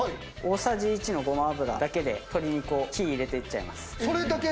大さじ１のごま油だけで、鶏肉に火を入れていっちゃいます。